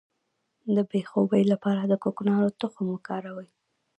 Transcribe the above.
د بې خوبۍ لپاره د کوکنارو تخم وکاروئ